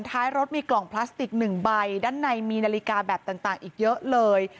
ท้ายรถมีกล่องพลาสติกหนึ่งใบด้านในมีนาฬิกาแบบต่างอีกเยอะเลย